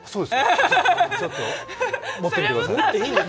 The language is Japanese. じゃあちょっと持ってみてください。